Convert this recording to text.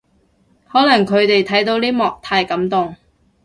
可能佢哋睇到呢幕太感動